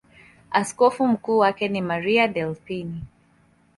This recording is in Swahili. Askofu mkuu wake ni Mario Delpini.